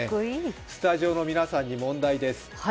スタジオの皆さんに問題です。